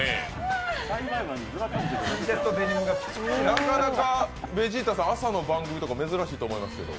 なかなかベジータさん、朝の番組とか珍しいと思いますけど。